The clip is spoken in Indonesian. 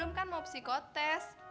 rum kan mau psikotes